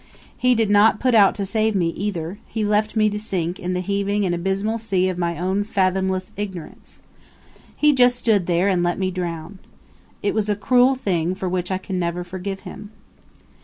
He did not put out to save me, either; he left me to sink in the heaving and abysmal sea of my own fathomless ignorance. He just stood there and let me drown. It was a cruel thing, for which I can never forgive him.